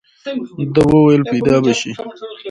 ده وويل پيدا به شي.